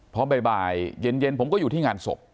พอบ่ายเย็นผมก็อยู่ที่งานศพ